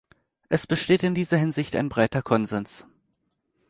Es besteht in dieser Hinsicht ein breiter Konsens.